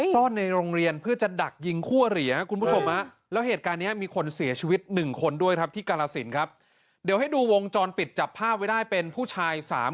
ซ่อนในโรงเรียนเพื่อจะดักยิงคู่อ้อนเหรียนะครับคุณผู้ชม